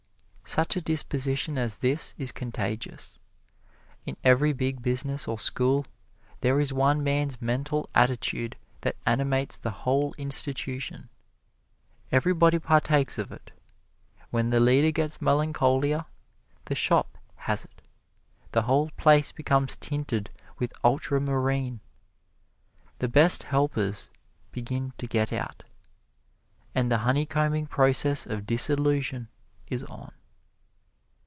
Such a disposition as this is contagious. In every big business or school, there is one man's mental attitude that animates the whole institution. Everybody partakes of it. When the leader gets melancholia, the shop has it the whole place becomes tinted with ultra marine. The best helpers begin to get out, and the honeycombing process of dissolution is on.